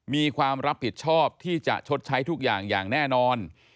มีความรับผิดชอบที่จะชดใช้ทุกอย่างอย่างแน่นอน